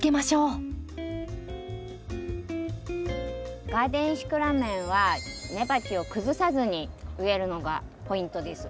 ではガーデンシクラメンは根鉢を崩さずに植えるのがポイントです。